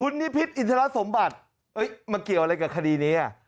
นิพิษอินทรสมบัติมาเกี่ยวอะไรกับคดีนี้